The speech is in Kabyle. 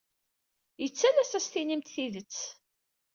Yettalas ad as-tinimt tidet.